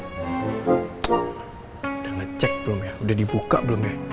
sudah ngecek belum ya udah dibuka belum ya